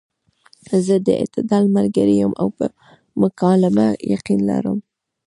زۀ د اعتدال ملګرے يم او پۀ مکالمه يقين لرم -